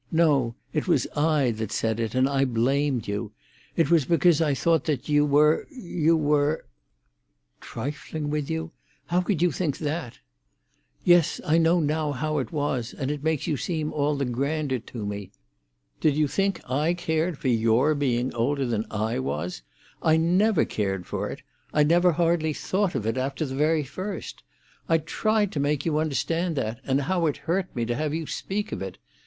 No; it was I that said it, and I blamed you. It was because I thought that you were—you were—" "Trifling with you? How could you think that?" "Yes, I know now how it was, and it makes you seem all the grander to me. Did you think I cared for your being older than I was? I never cared for it—I never hardly thought of it after the very first. I tried to make you understand that, and how it hurt me to have you speak of it.